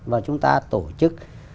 và chúng ta tổ chức